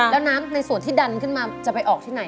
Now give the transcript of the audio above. แล้วน้ำในส่วนที่ดันขึ้นมาจะไปออกที่ไหน